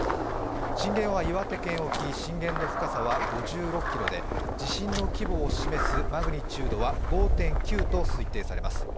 震源は岩手県沖震源の深さは５６キロで地震の規模を示すマグニチュードは５．９と推定されます。